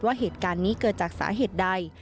ว่าเหตุการณ์นี้เกิดจากสาเหตุใด